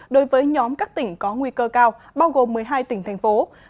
đối với nhóm các tỉnh có nguy cơ cao bao gồm một mươi hai tỉnh thành phố